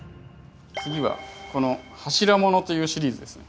次はこの柱物というシリーズですね。